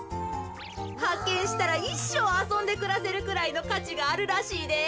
はっけんしたらいっしょうあそんでくらせるくらいのかちがあるらしいで。